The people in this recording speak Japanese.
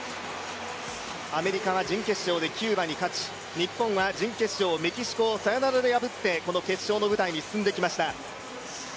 アメリカは準決勝でキューバに勝ち、日本は準決勝、メキシコをサヨナラで破って、この決勝の舞台に上がってきました。